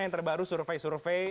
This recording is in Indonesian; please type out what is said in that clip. yang terbaru survei survei